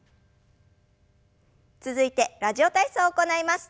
続いて「ラジオ体操」を行います。